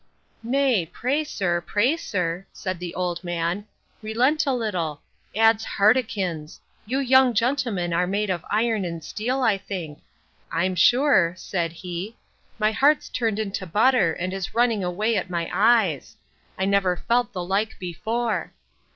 Nay, pray, sir, pray, sir, said the good old man, relent a little. Ads heartikins! you young gentlemen are made of iron and steel, I think; I'm sure, said he, my heart's turned into butter, and is running away at my eyes. I never felt the like before.